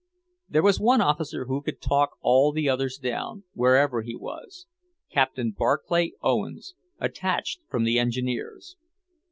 There was one officer who could talk all the others down, wherever he was; Captain Barclay Owens, attached from the Engineers.